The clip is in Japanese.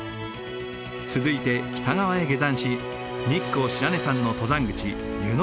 続いて北側へ下山し日光白根山の登山口湯ノ